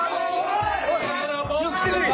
おい！